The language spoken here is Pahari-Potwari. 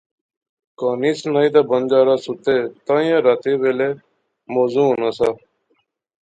کہانی سنائے تہ بنجاراں ستے تائیں راتی ناں ویلا موزوں ہونا سا